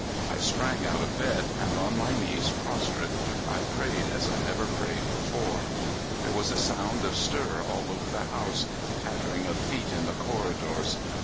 I sprang out of bed, and on my knees prostrate I prayed as I never prayed before. There was a sound of stir all over the house, pattering of feet in the corridors.